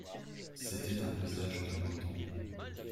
C'était un présage de beau temps.